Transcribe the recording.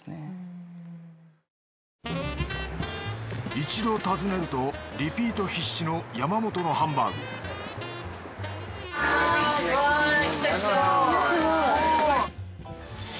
一度訪ねるとリピート必至の山本のハンバーグうわぁすごい。